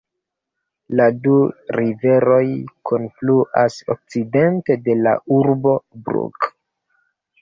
La du riveroj kunfluas okcidente de la urbo Brugg.